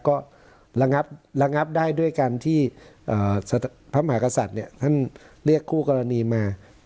ก็ระงับได้ด้วยกันที่พระมหากษัตริย์เนี่ยท่านเรียกคู่กรณีมา